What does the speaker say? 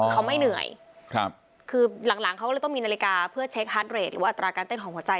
เขาไม่เหนื่อยครับคือหลังเขาก็เลยต้องมีนาฬิกาเพื่อเช็คฮาร์ดเรทหรือว่าอัตราการเต้นของหัวใจ